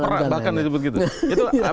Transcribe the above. kora bahkan disebut begitu